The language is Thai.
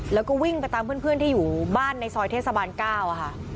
แล้วก็วิ่งไปตามเพื่อนเพื่อนที่อยู่บ้านในซอยเทศบาลเก้าอะค่ะ